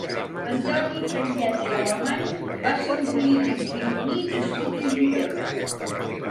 Antoni Franquet i Alemany va ser un polític gironí nascut a Girona.